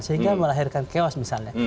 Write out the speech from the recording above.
sehingga melahirkan chaos misalnya